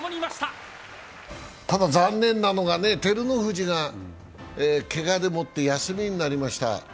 ただ、残念なのが照ノ富士がけがでもって休みになりました。